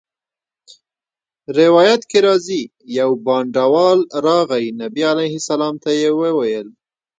روایت کي راځي: يو بانډَوال راغی، نبي عليه السلام ته ئي وويل